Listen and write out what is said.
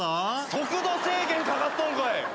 速度制限かかっとんかい！